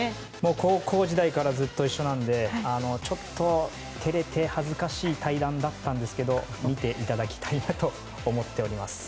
高校時代からずっと一緒なのでちょっと照れて恥ずかしい対談だったんですけど見ていただきたいなと思っております。